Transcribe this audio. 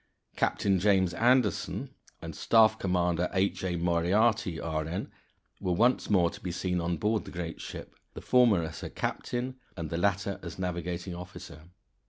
Captain James Anderson and Staff Commander H. A. Moriarty, R.N., were once more to be seen on board the great ship, the former as her captain, and the latter as navigating officer.